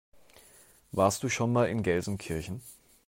Warst du schon mal in Gelsenkirchen?